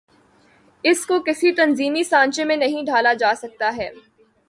اس کو کسی تنظیمی سانچے میں نہیں ڈھا لا جا سکتا ہے۔